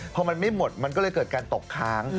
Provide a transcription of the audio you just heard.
พอมันไม่หมดมันก็เลยเกิดการตกค้าง